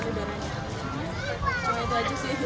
cuma itu aja sih